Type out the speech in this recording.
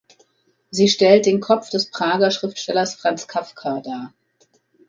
Sie stellt den Kopf des Prager Schriftstellers Franz Kafka dar.